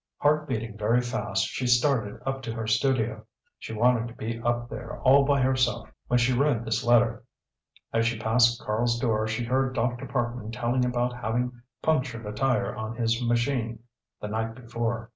Heart beating very fast, she started up to her studio. She wanted to be up there, all by herself, when she read this letter. As she passed Karl's door she heard Dr. Parkman telling about having punctured a tire on his machine the night before.